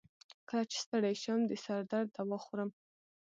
کله چې ستړی شم، د سر درد دوا خورم.